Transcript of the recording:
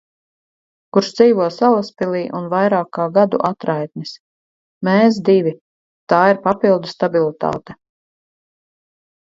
Kurš dzīvo Salaspilī un vairāk kā gadu atraitnis. Mēs—divi, tā ir papildu stabilitāte.